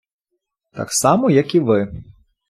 Так само як і Ви.